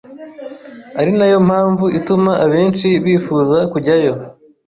ari nayo mpamvu ituma abenshi bifuza kujyayo.